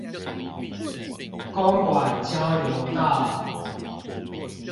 公館交流道